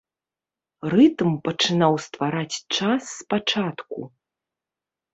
Рытм пачынаў ствараць час спачатку.